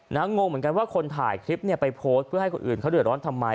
งงเหมือนกันว่าคนถ่ายคลิปเนี่ยไปโพสต์เพื่อให้คนอื่นเขาเดือดร้อนทำไม